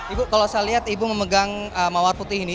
ibu kalau saya lihat ibu memegang mawar putih ini